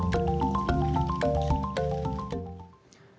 kepala dias kesehatan di kabupaten jombang